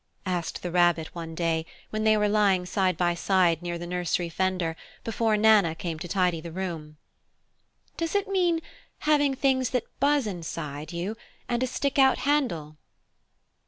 asked the Rabbit one day, when they were lying side by side near the nursery fender, before Nana came to tidy the room. "Does it mean having things that buzz inside you and a stick out handle?"